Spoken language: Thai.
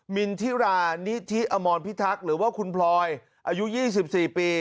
มินทิรานิธิอมรพิทักษ์หรือว่าคุณพลอยอายุ๒๔ปี